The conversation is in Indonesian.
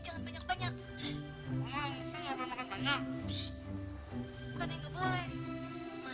sampai jumpa di video selanjutnya